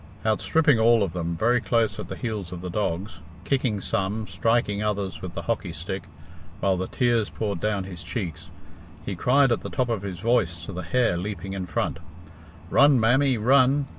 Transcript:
Outstripping all of them, very close at the heels of the dogs, kicking some, striking others with the hockey stick, while the tears poured down his cheeks, he cried at the top of his voice to the hare leaping in front, "Run, mammy, run!